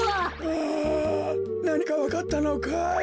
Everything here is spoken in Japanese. あなにかわかったのかい？